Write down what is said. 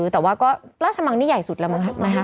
แต่ว่าก็ราชมังนี่ใหญ่สุดแล้วมั้ง